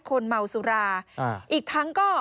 คนเมาสุราอีกทั้งก็